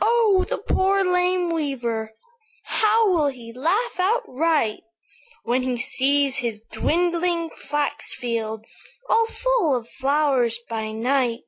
"'Oh! the poor, lame weaver, How will he laugh outright When he sees his dwindling flax field All full of flowers by night!'